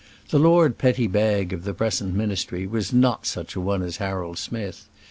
The Lord Petty Bag of the present ministry was not such a one as Harold Smith.